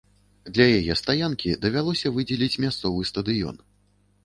Для яе стаянкі давялося выдзеліць мясцовы стадыён.